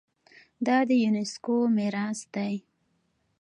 دا د یونیسکو میراث دی.